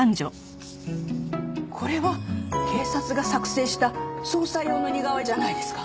これは警察が作成した捜査用の似顔絵じゃないですか？